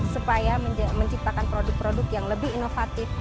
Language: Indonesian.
supaya menciptakan produk produk yang lebih inovatif